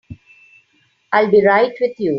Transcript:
I'll be right with you.